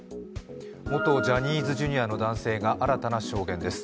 元ジャニーズＪｒ．の男性が新たな証言です。